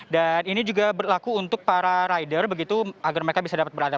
dan ini juga berlaku untuk para rider begitu agar mereka bisa dapat berpengalaman